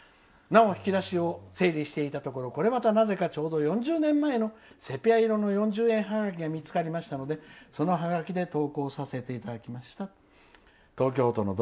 引き出しを整理していたところこれまたちょうど４０年前のセピア色の４０円ハガキが見つかりましたのでそのハガキで投稿させていただきました」。